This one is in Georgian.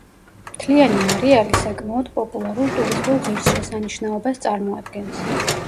მთლიანი არეალი საკმაოდ პოპულარულ ტურისტულ ღირსშესანიშნაობას წარმოადგენს.